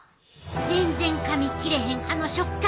全然かみ切れへんあの食感！